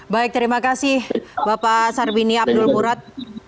baik terima kasih bapak sarbini abdul murad